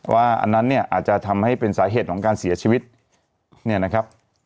อันนั้นเนี่ยอาจจะทำให้เป็นสาเหตุของการเสียชีวิตเนี่ยนะครับ